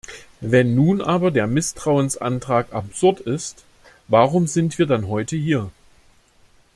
Wenn nun aber der Misstrauensantrag absurd ist, warum sind wir dann heute hier?